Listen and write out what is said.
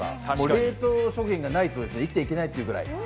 冷凍食品がないと生きていけないっていうぐらい。